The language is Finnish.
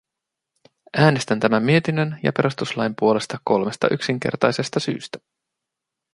Äänestän tämän mietinnön ja perustuslain puolesta kolmesta yksinkertaisesta syystä.